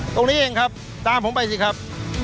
ตรงนี้เองครับตามผมไปสิครับ